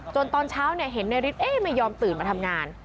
จนตอนเช้าเนี่ยเห็นนายริสที่ไม่ยอมติดมาทำงาน